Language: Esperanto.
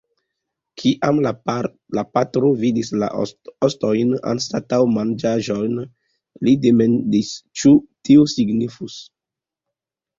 Kiam la patro vidis la ostojn anstataŭ manĝaĵon, li demandis ĉu tio signifus.